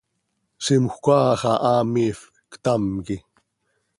Zimjöc áa xah miifp, ctam quih.